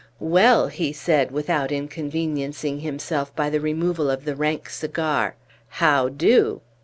"Well," he said, without inconveniencing himself by the removal of the rank cigar, "how do?"